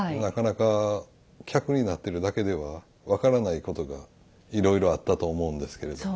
なかなか客になってるだけでは分からないことがいろいろあったと思うんですけれど。